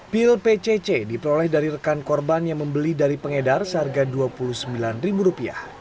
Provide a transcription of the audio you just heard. pil pcc diperoleh dari rekan korban yang membeli dari pengedar seharga rp dua puluh sembilan